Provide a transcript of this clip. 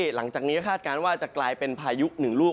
หลังจากนี้ก็คาดการณ์ว่าจะกลายเป็นพายุหนึ่งลูก